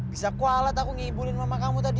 bisa kualat aku ngibulin mama kamu tadi